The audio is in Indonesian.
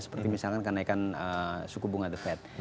seperti misalkan kenaikan suku bunga the fed